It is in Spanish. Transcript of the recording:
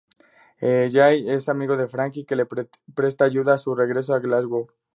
Jay es amigo de Frankie, que le presta ayuda a su regreso a Glasgow.